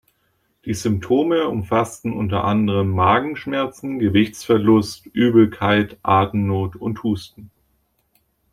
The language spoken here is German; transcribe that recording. Die Symptome umfassten unter anderem Magenschmerzen, Gewichtsverlust, Übelkeit, Atemnot und Husten.